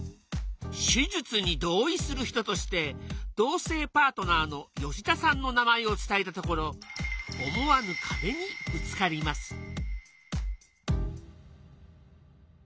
手術に同意する人として同性パートナーの吉田さんの名前を伝えたところ思わぬ壁にぶつかります。